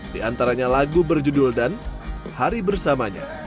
di antaranya lagu berjudul dan hari bersamanya